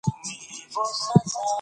ولس ته ګټه ورسوئ.